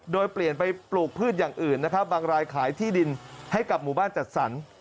โดยเปลี่ยนไปปลูกพืชอย่างอื่นนะครับบางรายขายที่ดินให้กับหมู่บ้านจัดสรร